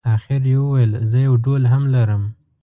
اخر یې وویل زه یو ډول هم لرم.